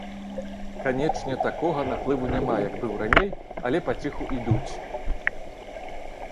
Канечне, такога наплыву няма, як быў раней, але паціху ідуць.